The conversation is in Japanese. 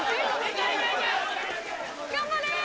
頑張れ！